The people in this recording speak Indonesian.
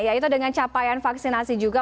yaitu dengan capaian vaksinasi juga